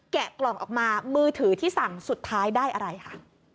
กล่องออกมามือถือที่สั่งสุดท้ายได้อะไรค่ะ